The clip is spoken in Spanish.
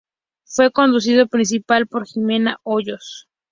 Fue conducido principalmente por Ximena Hoyos.